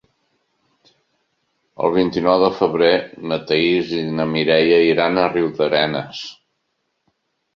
El vint-i-nou de febrer na Thaís i na Mireia iran a Riudarenes.